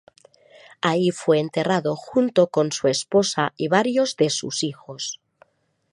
Ahí fue enterrado junto con su esposa y varios de sus hijos.